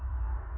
tante mau pulang